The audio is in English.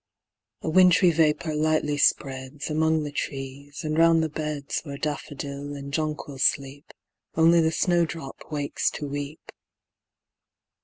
A wintry vapor lightly spreads Among the trees, and round the beds Where daffodil and jonquil sleep, Only the snowdrop wakes to weep.